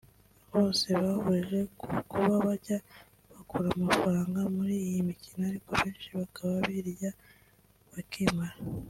bose bahurije ku kuba bajya bakura amafaranga muri iyi mikino ariko abenshi bakaba birya bakimara